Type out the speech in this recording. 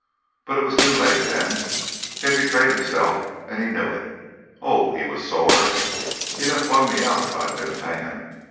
But it was too late then; he had betrayed himself and he knew it. Oh, he was sore! He'd have flung me out if I'd been a man.